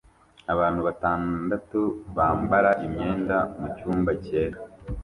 Abantu batandatu bambara imyenda mucyumba cyera